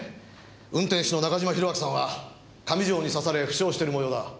運転手の中島弘昭さんは上条に刺され負傷してる模様だ。